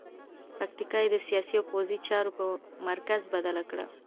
پکتیا یې د سیاسي او پوځي چارو په مرکز بدله کړه.